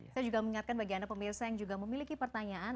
saya juga mengingatkan bagi anda pemirsa yang juga memiliki pertanyaan